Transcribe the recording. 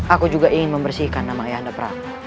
aku juga ingin membersihkan nama ayah anda pra